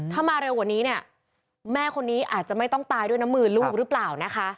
ถ้ามาเร็วกว่านี้เนี่ยแม่คนนี้อาจจะไม่ต้องตายด้วยน้ำมือลูกหรือเปล่านะคะ